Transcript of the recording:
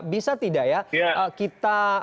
bisa tidak ya